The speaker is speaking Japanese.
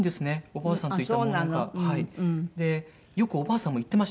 「ねえおばあさん